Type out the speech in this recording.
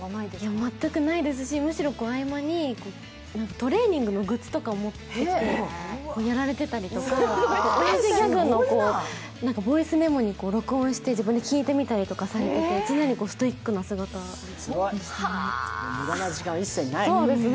全くないですし、むしろ合間にトレーニングのグッズを持ってきてやられてたりとか、おやじギャグのボイスメモに録音して自分で聞いてみたりとかされてて、常にストイックな姿でしたね。